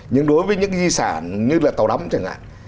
nhưng đối với những di sản như là tàu đắm chẳng hạn